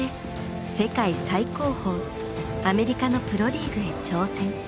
最高峰アメリカのプロリーグへ挑戦。